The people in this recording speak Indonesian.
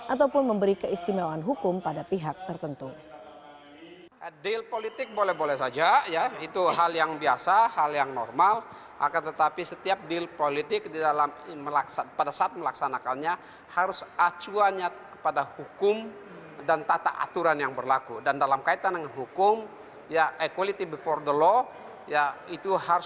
ataupun memberi keistimewaan hukum pada pihak tertentu